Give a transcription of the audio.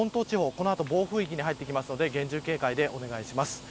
この後、暴風域に入ってくるので厳重警戒お願いします。